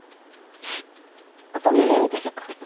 お隣いいですか？